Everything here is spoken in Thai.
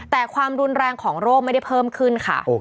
แต่ความรุนแรงของโรคไม่ได้เพิ่มขึ้นค่ะ